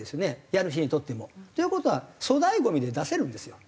家主にとっても。という事は粗大ゴミで出せるんですよ。